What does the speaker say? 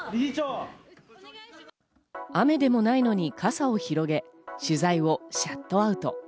雨でもないのに傘を広げ、取材をシャットアウト。